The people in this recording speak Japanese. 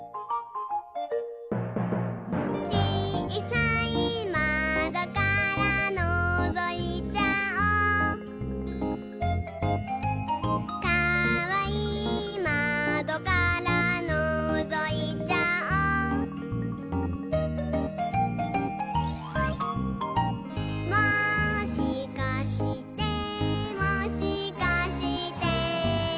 「ちいさいまどからのぞいちゃおう」「かわいいまどからのぞいちゃおう」「もしかしてもしかして」